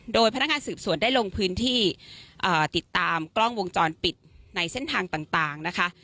โดยพนักงานสืบสวนได้ลงพื้นที่ติดตามกล้องวงจรปิดในเส้นทางต่างนะคะ